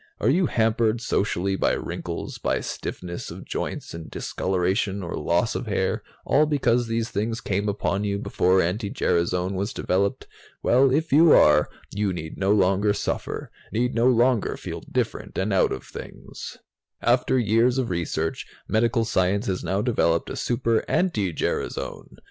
Are you hampered socially by wrinkles, by stiffness of joints and discoloration or loss of hair, all because these things came upon you before anti gerasone was developed? Well, if you are, you need no longer suffer, need no longer feel different and out of things. "After years of research, medical science has now developed Super anti gerasone!